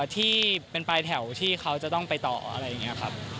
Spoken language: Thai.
ที่เป็นปลายแถวที่เขาจะต้องไปต่ออะไรอย่างนี้ครับ